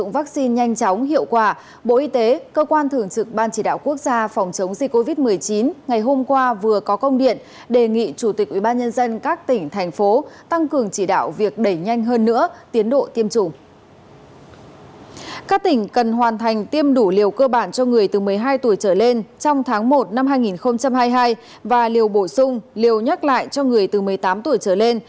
và liều bổ sung liều nhắc lại cho người từ một mươi tám tuổi trở lên